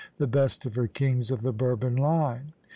the best of her kings of the Bourbon line.